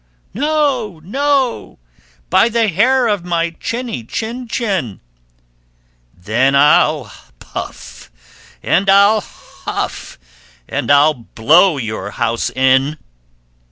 "No, no, by the hair of my chinny chin chin." "Then I'll puff and I'll huff, and I'll blow your house in!"